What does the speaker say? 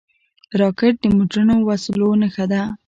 راکټ د مدرنو وسلو نښه ده